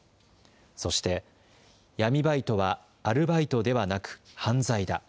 そして、闇バイトはアルバイトではなく、犯罪だ。